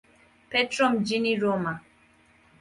Petro mjini Roma.